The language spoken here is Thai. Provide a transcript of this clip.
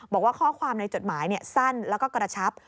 บอกว่าข้อความในจดหมายสั้นแล้วก็กระชับ